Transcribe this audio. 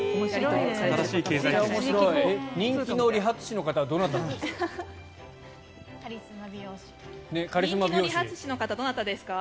人気の理髪師の方はどなたなんですか？